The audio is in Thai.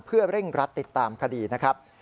เพื่อเร่งรัดติดตามคดีนะครับ